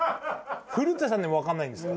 古田さんでもわかんないんですか？